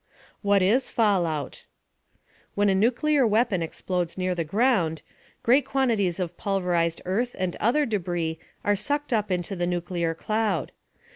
WHAT IS FALLOUT? When a nuclear weapon explodes near the ground, great quantities of pulverized earth and other debris are sucked up into the nuclear cloud.